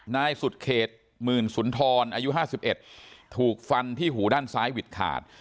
นายสุดเขตหมื่นสุนทรอายุ๕๑ถูกฟันที่หูด้านซ้ายหวิดขาด